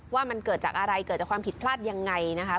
ว่ามันเกิดจากอะไรเกิดจากความผิดพลาดยังไงนะคะ